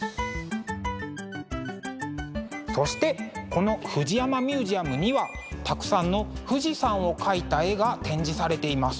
そしてこのフジヤマミュージアムにはたくさんの富士山を描いた絵が展示されています。